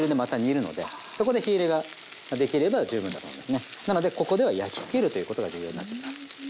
なのでここでは焼きつけるということが重要になってきます。